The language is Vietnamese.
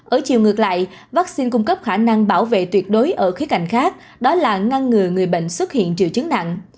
ở chiều ngược lại vaccine cung cấp khả năng bảo vệ tuyệt đối ở khía cạnh khác đó là ngăn ngừa người bệnh xuất hiện triệu chứng nặng